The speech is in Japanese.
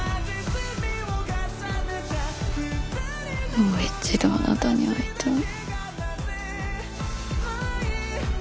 もう一度あなたに会いたい。